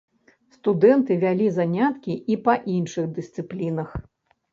Студэнты вялі заняткі і па іншых дысцыплінах.